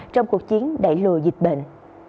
trong cuộc chiến đẩy lùa dịch bệnh